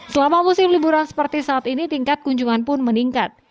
selama musim liburan seperti saat ini tingkat kunjungan pun meningkat